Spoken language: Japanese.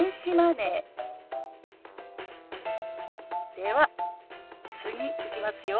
では次いきますよ。